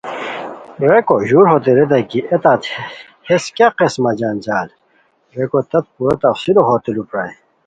ریکو ژور ہوتے ریتائے کی اے تت ہݰ کیہ قسمہ جنجال؟ ریکو تت پورا تفصیلہ ہوتے لو پرائے